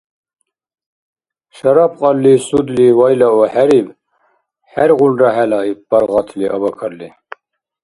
— Шарап кьалли судли вайлаухӏериб. Хӏергъулра хӏела, — иб паргъатли Абакарли.